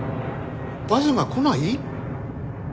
バスが来ない？